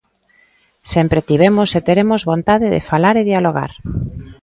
Sempre tivemos e teremos vontade de falar e dialogar.